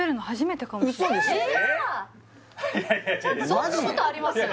そんなことあります？